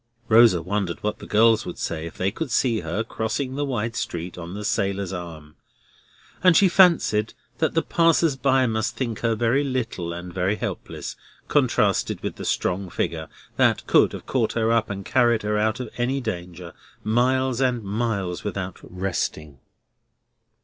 Rosa wondered what the girls would say if they could see her crossing the wide street on the sailor's arm. And she fancied that the passers by must think her very little and very helpless, contrasted with the strong figure that could have caught her up and carried her out of any danger, miles and miles without resting.